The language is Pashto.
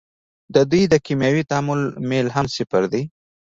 د دوی د کیمیاوي تعامل میل هم صفر دی.